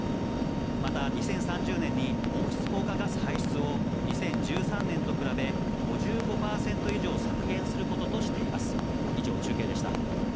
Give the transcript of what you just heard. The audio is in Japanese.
また２０３０年に温室効果ガス排出を、２０１３年と比べ、５５％以上削減することとしています。